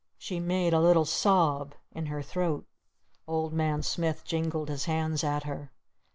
She made a little sob in her throat. Old Man Smith jingled his hands at her.